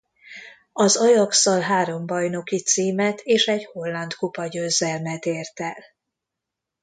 Az Ajax-szal három bajnoki címet és egy holland kupa győzelmet ért el.